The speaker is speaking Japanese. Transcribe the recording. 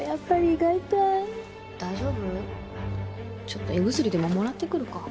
ちょっと胃薬でももらってくるか。